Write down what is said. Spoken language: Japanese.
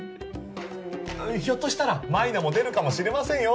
うんひょっとしたら舞菜も出るかもしれませんよ